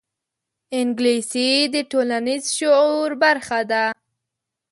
انګلیسي د ټولنیز شعور برخه ده